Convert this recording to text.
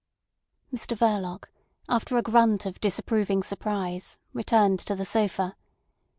Mr Verloc, after a grunt of disapproving surprise, returned to the sofa.